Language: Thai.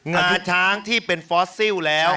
อาจจะช้างที่เป็นฟอสซิลแล้ว